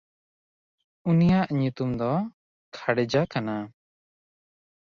ᱩᱱᱤᱭᱟᱜ ᱧᱩᱛᱩᱢ ᱫᱚ ᱠᱷᱟᱰᱮᱡᱟ ᱠᱟᱱᱟ᱾